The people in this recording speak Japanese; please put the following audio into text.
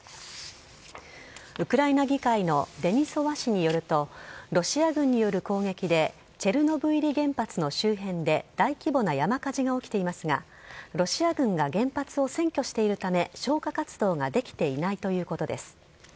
ウクライナ議会のデニソワ氏によると、ロシア軍による攻撃で、チェルノブイリ原発の周辺で、大規模な山火事が起きていますが、ロシア軍が原発を占拠しているため、消火活動ができていないということです。